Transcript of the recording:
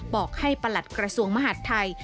บอกให้ประหลัดกระทรวงมหาดไทย